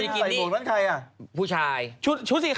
นี่ก็พี่วูนเซ็นเนี่ยค่ะ